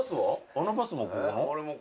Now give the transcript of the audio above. あのバスもここの？